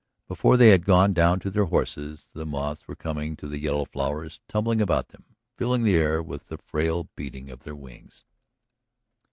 Before they had gone down to their horses the moths were coming to the yellow flowers, tumbling about them, filling the air with the frail beating of their wings.